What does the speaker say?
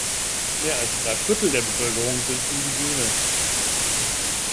Mehr als drei Viertel der Bevölkerung sind Indigene.